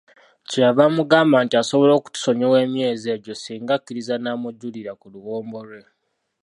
Kye yava amugamba nti asobola okutusonyiwa emyezi egyo ssinga akkiriza n'amujjulira ku luwombo lwe.